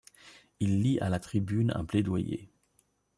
Il lit à la tribune un plaidoyer.